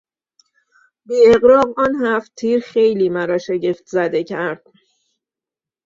بیاغراق آن هفتتیر خیلی مرا شگفتزده کرد.